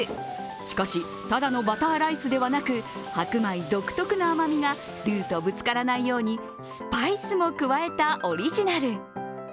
しかし、ただのバターライスではなく、白米独特の甘みがルーとぶつからないように、スパイスも加えたオリジナル。